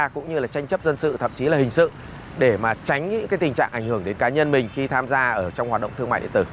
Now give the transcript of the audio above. cũng như là tranh chấp dân sự thậm chí là hình sự để mà tránh những tình trạng ảnh hưởng đến cá nhân mình khi tham gia trong hoạt động thương mại điện tử